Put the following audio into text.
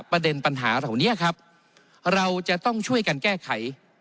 ประเด็นปัญหาเหล่านี้ครับเราจะต้องช่วยกันแก้ไข